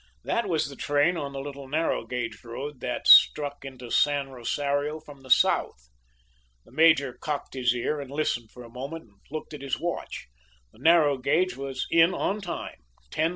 That was the train on the little, narrow gauge road that struck into San Rosario from the south. The major cocked his ear and listened for a moment, and looked at his watch. The narrow gauge was in on time 10.35.